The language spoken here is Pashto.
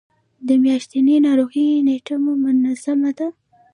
د میاشتنۍ ناروغۍ نیټه مو منظمه ده؟